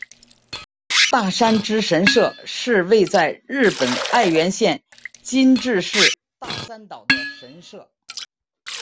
大山只神社是位在日本爱媛县今治市大三岛的神社。